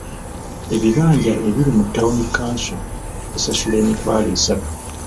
Ebibanja ebiri mu Town Council bisasula emitwalo esatu.